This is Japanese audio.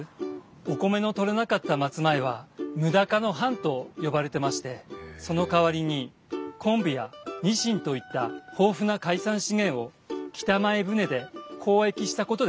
お米の取れなかった松前は無高の藩と呼ばれてましてそのかわりに昆布やニシンといった豊富な海産資源を北前船で交易したことで栄えたんです。